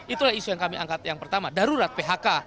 itulah isu yang kami angkat yang pertama darurat phk